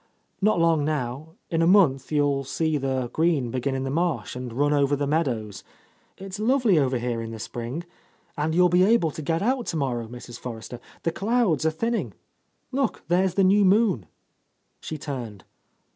"Not long now. In a month you'll see the *• 77 — A Lost Lady green begin in the marsh and run over the meadows. It's lovely over here in the spring. And you'll be able to get out tomorrow, Mrs. Forrester. The clouds are thinning. Look, there's the new moonl" She turned.